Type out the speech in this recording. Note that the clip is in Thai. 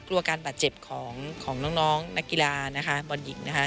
กลัวการบาดเจ็บของน้องนักกีฬานะคะบอลหญิงนะคะ